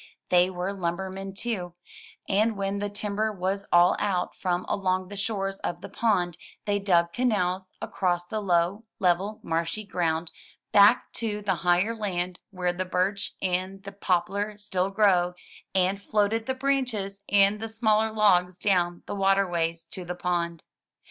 They were lumbermen, too, and when the timber was all out from along the shores of the pond, they dug canals across the low, level, marshy ground, back to the higher land where the birch and the poplar still grow, and floated the branches and the smaller logs down the water ways to the pond.